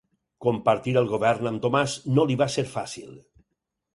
Compartir el govern amb Tomàs no li va ser fàcil.